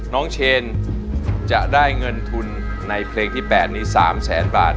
เชนจะได้เงินทุนในเพลงที่๘นี้๓แสนบาท